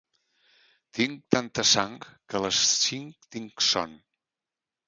Tinc tanta sang que a les cinc tinc son.